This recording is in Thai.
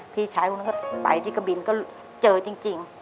พี่ชายคนนั้นก็ไปที่กะบินก็เจอจริง